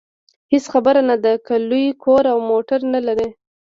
هېڅ خبره نه ده که لوی کور او موټر نلرئ.